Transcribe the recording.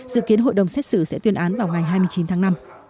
dự kiến hội đồng xét xử sẽ tuyên án vào ngày hai mươi chín tháng năm